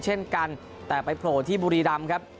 เช่นกันแต่ไปโผล่ที่บุรีรำครับ